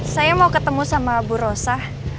saya mau ketemu sama bu rosa